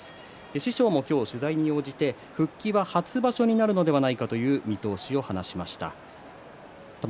師匠が今日取材に応じて復帰は初場所になるんではないかという見通しを語りました。